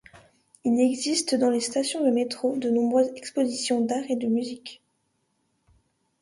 Il existe, dans les stations de métro, de nombreuses expositions d'art et de musique.